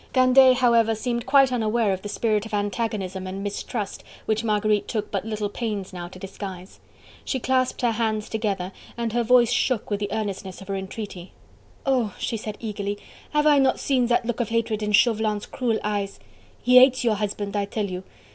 Candeille, however, seemed quite unaware of the spirit of antagonism and mistrust which Marguerite took but little pains now to disguise. She clasped her hands together, and her voice shook with the earnestness of her entreaty. "Oh!" she said eagerly, "have I not seen that look of hatred in Chauvelin's cruel eyes?... He hates your husband, I tell you....